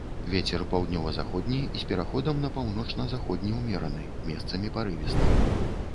Вецер паўднёва-заходні з пераходам на паўночна-заходні ўмераны, месцамі парывісты.